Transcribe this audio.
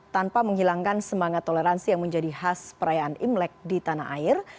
tanpa menghilangkan semangat toleransi yang menjadi khas perayaan imlek di tanah air